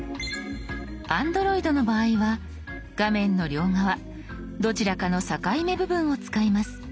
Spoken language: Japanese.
Ａｎｄｒｏｉｄの場合は画面の両側どちらかの境目部分を使います。